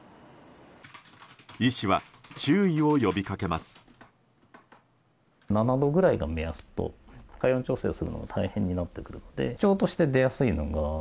医師は注意を呼びかけます。